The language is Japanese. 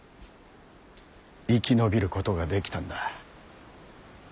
生き延びることができたんだ。